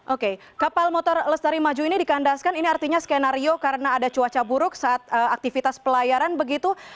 oke kapal motor lestari maju ini dikandaskan ini artinya skenario karena ada cuaca buruk saat aktivitas pelayaran begitu